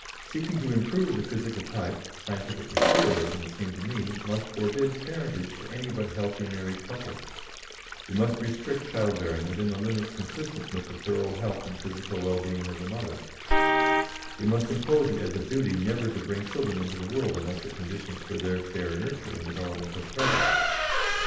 Seeking to improve the physical type, scientific Materialism, it seemed to me, must forbid parentage to any but healthy married couples; it must restrict childbearing within the limits consistent with the thorough health and physical well being of the mother; it must impose it as a duty never to bring children into the world unless the conditions for their fair nurture and development are present.